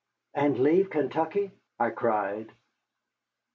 "And leave Kentucky?" I cried.